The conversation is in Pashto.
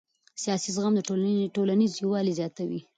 سیاسي زغم ټولنیز یووالی زیاتوي